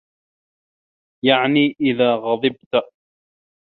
يَعْنِي إذَا غَضِبْتَ